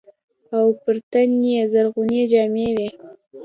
او پر تن يې زرغونې جامې وې.